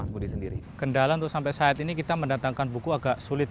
kendala untuk sampai saat ini kita mendatangkan buku agak sulit